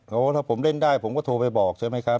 เพราะว่าถ้าผมเล่นได้ผมก็โทรไปบอกใช่ไหมครับ